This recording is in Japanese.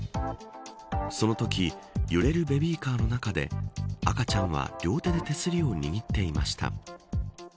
そのとき揺れるベビーカーの中で赤ちゃんは両手で手すりを握っていました。